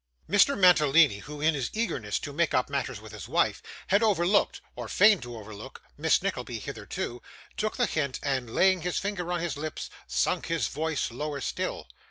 Mr. Mantalini, who, in his eagerness to make up matters with his wife, had overlooked, or feigned to overlook, Miss Nickleby hitherto, took the hint, and laying his finger on his lip, sunk his voice still lower.